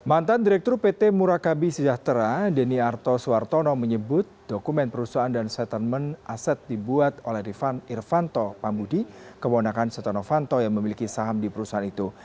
mantan direktur pt murakabi sejahtera deniarto suartono menyebut dokumen perusahaan dan settlement aset dibuat oleh irvanto pambudi kebonakan setonofanto yang memiliki saham di perusahaan itu